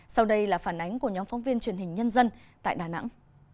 sau đây là phản ánh của nhóm phóng viên truyền hình nhân dân tại đà nẵng